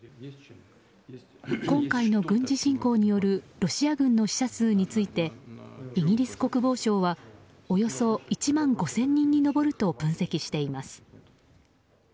今回の軍事侵攻によるロシア軍の死者数についてイギリス国防省はおよそ１万５０００人に上ると分析しています。